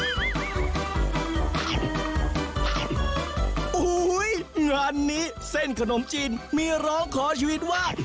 โอ้โหงานนี้เส้นขนมจีนมีร้องขอชีวิตวาด